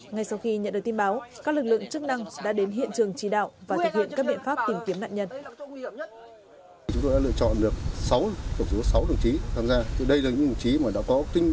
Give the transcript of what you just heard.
ngay sau khi nhận được tin báo các lực lượng chức năng đã đến hiện trường chỉ đạo và thực hiện các biện pháp tìm kiếm nạn nhân